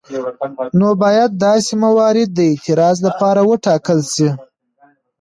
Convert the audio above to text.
نو باید داسې موارد د اعتراض لپاره وټاکل شي.